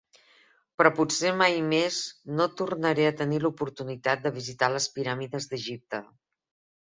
Però potser mai més no tornaré a tenir l'oportunitat de visitar les piràmides d'Egipte.